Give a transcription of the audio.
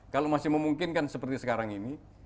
kalau masih memungkinkan seperti sekarang ini